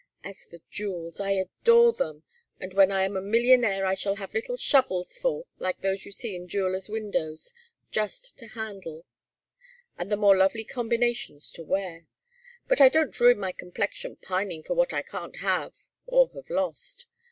As for jewels, I adore them, and when I am a millionaire I shall have little shovels full like those you see in jewellers' windows, just to handle; and the most lovely combinations to wear. But I don't ruin my complexion pining for what I can't have or have lost.